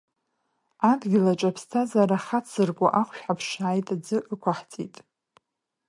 Адгьыл аҿы аԥсҭазара хацзыркуа ахәшә ҳаԥшааит аӡы ықәаҳҵеит.